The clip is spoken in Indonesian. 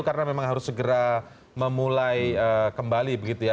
karena memang harus segera memulai kembali begitu ya